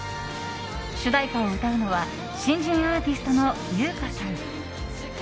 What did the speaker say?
主題歌を歌うのは新人アーティストの由薫さん。